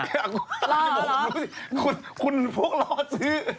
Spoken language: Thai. รออยากรู้สิคุณฟ่วกรอซื้อ